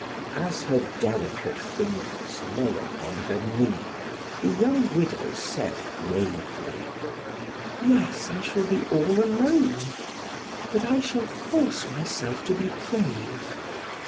As her delicate fingers lay upon her knee the young widow said gravely: "Yes, I shall be all alone, but I shall force myself to be brave."